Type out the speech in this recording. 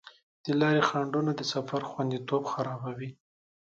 د لارې خنډونه د سفر خوندیتوب خرابوي.